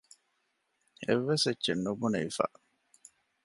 އެއްވެސް އެއްޗެއް ނުބުނެވިފަ